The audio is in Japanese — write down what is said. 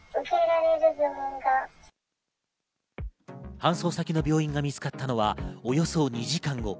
搬送先の病院が見つかったのは、およそ２時間後。